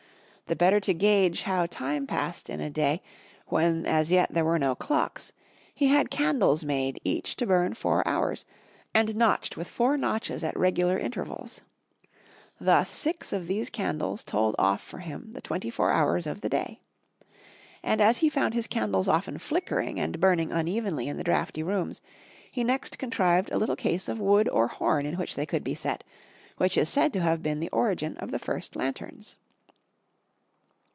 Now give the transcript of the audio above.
The better to gauge how time passed in a day 87 M Y BOOK HOUSE when as yet there were no clocks, he had candles made each to bum four hours, and notched with four notches at regular inter vals. Thus six of these candles told off for him the twenty four hours of the day. And as he found his candles often flickering and burning unevenly in the draughty rooms, he next contrived a little case of wood or horn in which they could be set, which is said to have been the origin of the first lanterns.